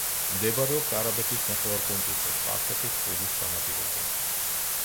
მდებარეობს არაბეთის ნახევარკუნძულზე, სპარსეთის ყურის სანაპიროზე.